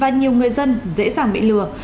và nhiều người dân dễ dàng bị lừa